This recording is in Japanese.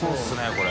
これ。